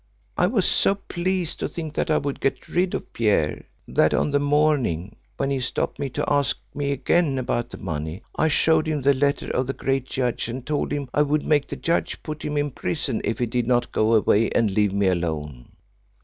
"I was so pleased to think that I would get rid of Pierre, that on the morning, when he stopped me to ask me again about the money, I showed him the letter of the great judge, and told him I would make the judge put him in prison if he did not go away and leave me alone.